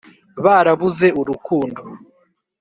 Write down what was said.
barabuze urukundo